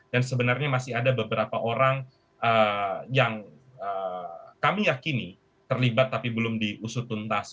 dan sebenarnya masih ada beberapa orang yang kami yakini terlibat tapi belum diusut tuntas